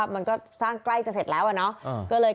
มันสร้างใกล้เกือบจากเสร็จแล้ว